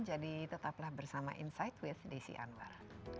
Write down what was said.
jadi tetaplah bersama insight with desi anwar